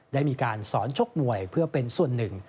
ได้มีการสอนชกมวยเพื่อเป็นส่วนหนึ่ง